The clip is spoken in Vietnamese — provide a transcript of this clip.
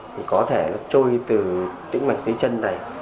thì có thể nó trôi từ tĩnh mạch dưới chân này